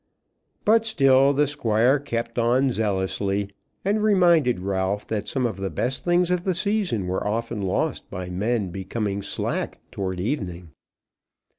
But still the Squire kept on zealously, and reminded Ralph that some of the best things of the season were often lost by men becoming slack towards evening.